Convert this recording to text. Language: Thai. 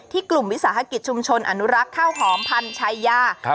กลุ่มวิสาหกิจชุมชนอนุรักษ์ข้าวหอมพันชายา